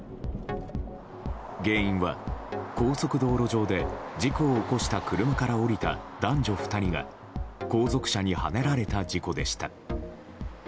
原因は高速道路上で事故を起こした車から降りた男女２人が後続車にはねられた事故でした。